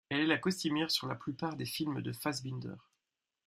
Elle est la costumière sur la plupart des films de Fassbinder.